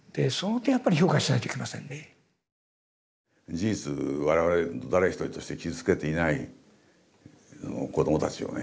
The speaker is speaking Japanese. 事実我々誰一人として傷つけていない子供たちをね。